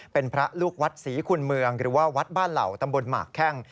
เป็นพระลูกวัดศรีคุณเมืองหรือว่าวัดบ้านเหล่าตำบลหมากแข้ง